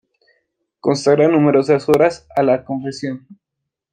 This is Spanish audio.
Consagra numerosas horas a la confesión.